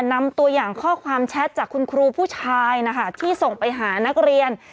นำตัวอย่างข้อความแชทจากคุณครูผู้ชายนะคะที่ส่งไปหานักเรียน